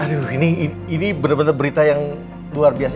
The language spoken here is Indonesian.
aduh ini benar benar berita yang luar biasa